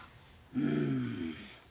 うん。